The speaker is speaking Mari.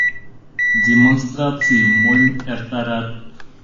Демонстарцийым монь эртарат.